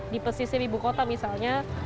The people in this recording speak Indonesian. di pesisir ibu kota misalnya